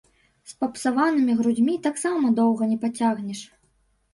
З папсаванымі грудзьмі таксама доўга не пацягнеш.